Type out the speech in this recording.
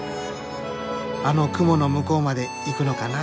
あの雲の向こうまで行くのかな。